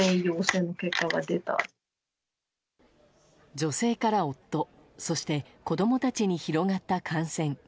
女性から夫、そして子供たちに広がった感染。